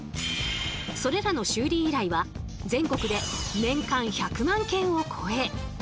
それらの修理依頼は全国で年間１００万件を超え